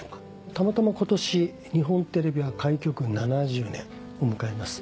たまたま今年日本テレビは開局７０年を迎えます。